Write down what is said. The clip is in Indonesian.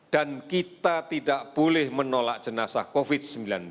kita tidak boleh menolak jenazah covid sembilan belas